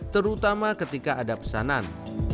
terutama ketika ada pesanan